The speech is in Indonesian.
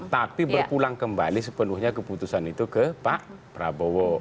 tapi berpulang kembali sepenuhnya keputusan itu ke pak prabowo